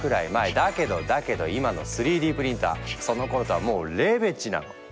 だけどだけど今の３Ｄプリンターそのころとはもうレベチなの！